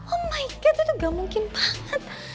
oh my god itu gak mungkin banget